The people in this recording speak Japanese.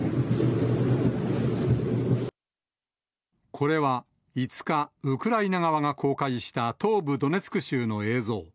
これは５日、ウクライナ側が公開した東部ドネツク州の映像。